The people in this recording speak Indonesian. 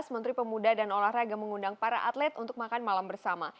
menteri pemuda dan olahraga mengundang para atlet untuk makan malam bersama